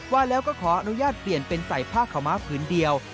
ว่าแล้วก็ขออนุญาตเปลี่ยนเป็นใส่ผ้าขาวม้าผืนเดียว